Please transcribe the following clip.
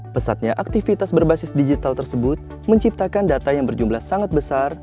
pesatnya aktivitas berbasis digital tersebut menciptakan data yang berjumlah sangat besar